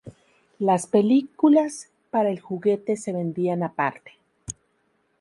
Las películas para el juguete se vendían aparte.